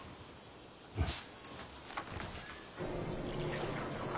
うん。